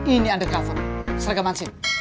ini undercover seragam hansip